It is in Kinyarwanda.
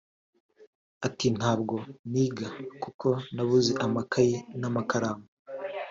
Ati “Ntabwo niga kuko nabuze amakayi n’amakaramu